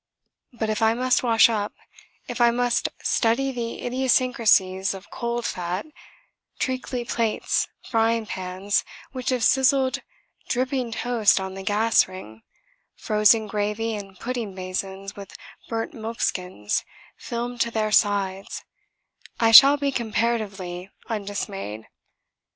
But if I must wash up, if I must study the idiosyncrasies of cold fat, treacly plates, frying pans which have sizzled dripping toast on the gas ring, frozen gravy, and pudding basins with burnt milk skins filmed to their sides, I shall be comparatively undismayed.